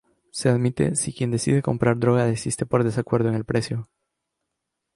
Se admite si quien decide comprar droga desiste por desacuerdo en el precio.